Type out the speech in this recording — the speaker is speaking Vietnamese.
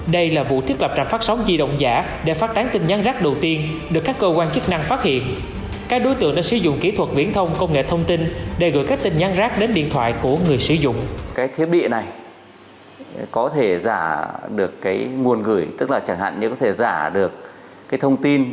đây là vụ thiết lập trạm phát sóng di động giả để phát tán tin nhắn rác đầu tiên được các cơ quan chức năng phát hiện